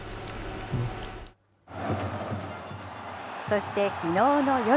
そして、きのうの夜。